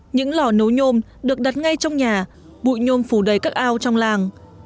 những lò nấu nhôm được đặt ngay trong nhà bụi nhôm phủ đầy các ao trong làng